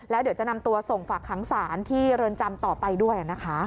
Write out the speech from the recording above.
แล้วเดี๋ยวจะนำตัวส่งฝากขังศาลที่เรือนจำต่อไปด้วยนะคะ